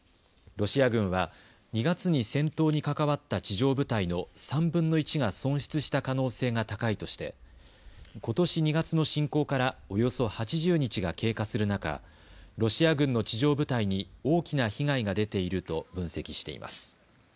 ロシア軍は２月に戦闘に関わった地上部隊の３分の１が損失した可能性が高いとしてことし２月の侵攻からおよそ８０日が経過する中ロシア軍の地上部隊に大きな被害が出ていると分析しています。